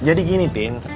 jadi gini tin